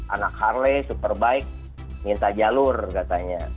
anak harley superbike minta jalur katanya